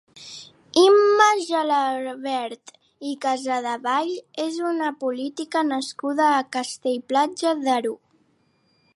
Imma Gelabert i Casadevall és una política nascuda a Castell-Platja d'Aro.